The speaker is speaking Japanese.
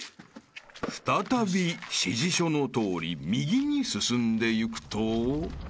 ［再び指示書のとおり右に進んでいくと］